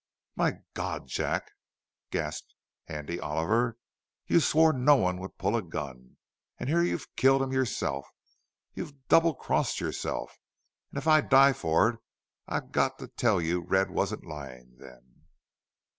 "My Gawd, Jack!" gasped Handy Oliver. "You swore no one would pull a gun an' here you've killed him yourself!... YOU'VE DOUBLE CROSSED YOURSELF! An' if I die for it I've got to tell you Red wasn't lyin' then!"